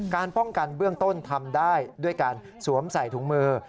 การป้องกันเบื้องต้นทำได้ด้วยการสวมใส่ถุงมือ